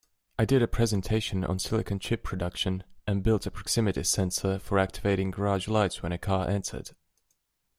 I did a presentation on silicon chip production and built a proximity sensor for activating garage lights when a car entered.